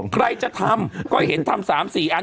ใครจะทำก็เห็นทำ๓๔อัน